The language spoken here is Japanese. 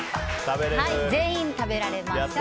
全員食べられます。